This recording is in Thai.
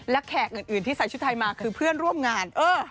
และแขกอื่นที่ใส่ชุดไทยมาคือเพื่อนร่วมงาน